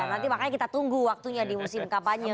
nanti makanya kita tunggu waktunya di musim kapanya